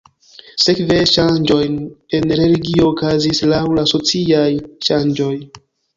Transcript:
Sekve ŝanĝojn en religio okazis laŭ la sociaj ŝanĝoj.